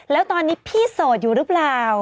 แล้วตอนนี้พี่โสดอยู่หรือเปล่า